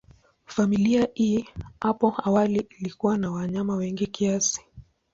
Familia hii hapo awali ilikuwa na wanyama wengi kiasi.